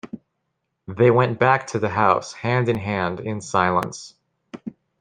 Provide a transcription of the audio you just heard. They went back to the house, hand in hand, in silence.